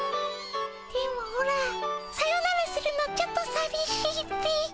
でもオラサヨナラするのちょっとさびしいっピ。